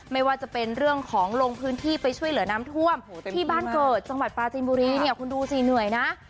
ไม่ว่าจะเป็นเรื่องของลงพื้นที่ไปช่วยเหลือน้ำท่วมที่บ้านเกิดจังหวัดปลาจีนบุรีเนี่ยคุณดูสิเหนื่อยนะ